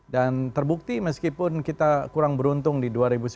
dan terbukti meskipun kita kurang beruntung di dua ribu sembilan belas